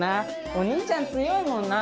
お兄ちゃん強いもんな。